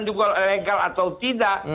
dan juga legal atau tidak